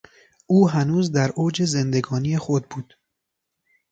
او هنوز در اوج زندگانی خود بود.